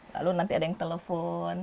lalu nanti ada yang telepon